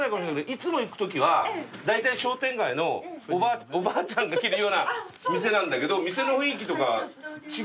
いつも行くときはだいたい商店街のおばあちゃんが着るような店なんだけど店の雰囲気とか違うじゃないですか。